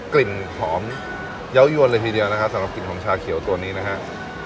กลิ่นหอมเยาวยวนเลยทีเดียวนะครับสำหรับกลิ่นหอมชาเขียวตัวนี้นะฮะ